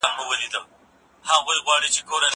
زه هره ورځ منډه وهم!